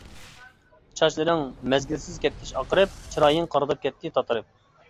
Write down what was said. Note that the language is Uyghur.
چاچلىرىڭ مەزگىلسىز كەتكەچ ئاقىرىپ، چىرايىڭ قارىداپ كەتتى تاتىرىپ.